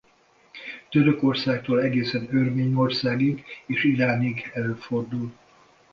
Törökországtól egészen Örményországig és Iránig előfordul.